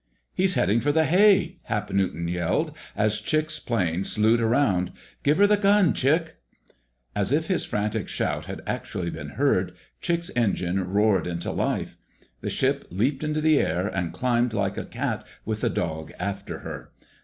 "He's heading for the hay," Hap Newton yelled, as Chick's plane slewed around. "Give her the gun, Chick!" As if his frantic shout had actually been heard, Chick's engine roared into life. The ship leaped into the air, and climbed like a cat with a dog after her.